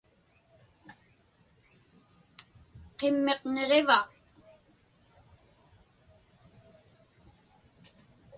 Qimmiq niġiva?